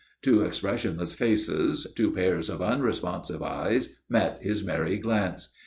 Two expressionless faces, two pairs of unresponsive eyes, met his merry glance.